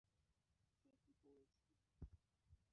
সে কি পরেছে?